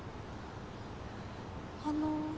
あの。